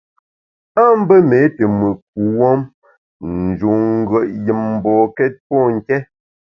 A mbe méé te mùt kuwuom, n’ njun ngùet yùm mbokét pô nké.